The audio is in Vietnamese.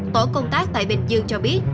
tổ công tác tại bình dương cho biết